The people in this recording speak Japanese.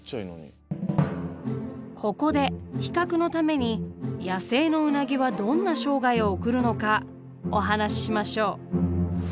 ここで比較のために野生のウナギはどんな生涯を送るのかお話ししましょう。